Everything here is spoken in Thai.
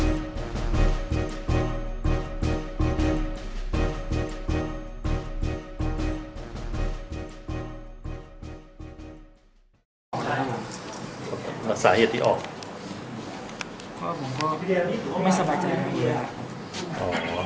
เพราะผมก็ไม่สบายใจก็ไม่อยากออก